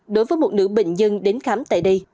đối với một nữ bệnh nhân đến khám tại đây